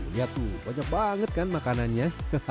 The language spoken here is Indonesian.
lihat tuh banyak banget kan makanannya